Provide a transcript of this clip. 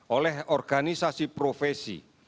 oleh organisasi profesi